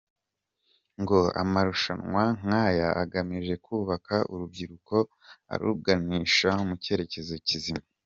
Ngo amarushanwa nk’aya agamije kubaka urubyiruko aruganisha mu cyerekezo kizima.